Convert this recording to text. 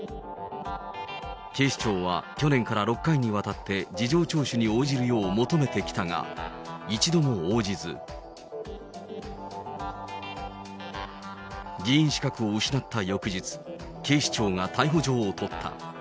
警視庁は去年から６回にわたって事情聴取に応じるよう求めてきたが、一度も応じず、議員資格を失った翌日、警視庁が逮捕状を取った。